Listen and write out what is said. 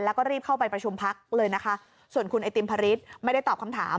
แล้วก็รีบเข้าไปประชุมพักเลยนะคะส่วนคุณไอติมพริษไม่ได้ตอบคำถาม